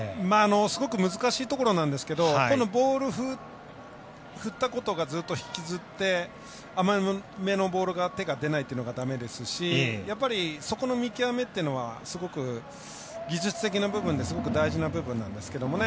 すごく難しいところなんですが今度ボールを振ったことがずっと引きずって甘めのボールが手が出ないというのがだめですしそこの見極めっていうのはすごく技術的な部分で大事な部分なんですけどね。